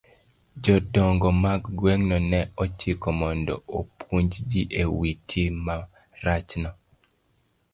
Jodongo mag gweng'no ne ochik mondo opuonj ji e wi tim marachno.